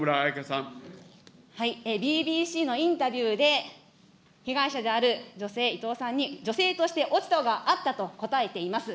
ＢＢＣのインタビューで、被害者である女性、伊藤さんに女性として落ち度があったと答えています。